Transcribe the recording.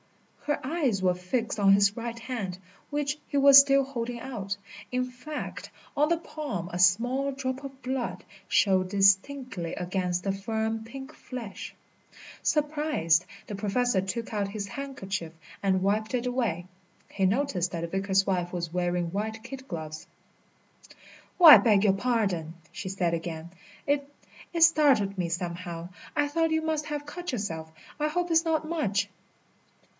Her eyes were fixed on his right hand, which he was still holding out. In fact, on the palm a small drop of blood showed distinctly against the firm, pink flesh. Surprised, the Professor took out his handkerchief and wiped it away. He noticed that the vicar's wife was wearing white kid gloves. "Oh, I beg your pardon!" she said again. "It it startled me somehow. I thought you must have cut yourself. I hope it's not much?"